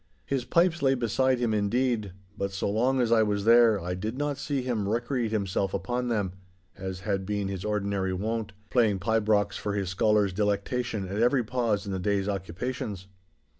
His pipes lay beside him indeed, but so long as I was there I did not see him recreate himself upon them—as had been his ordinary wont, playing pibrochs for his scholars' delectation at every pause in the day's occupations.